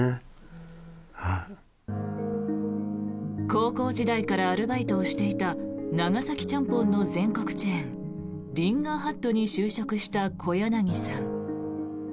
高校時代からアルバイトをしていた長崎ちゃんぽんの全国チェーンリンガーハットに就職した小柳さん。